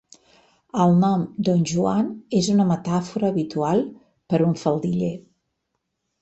El nom "Don Joan" és una metàfora habitual per a un faldiller.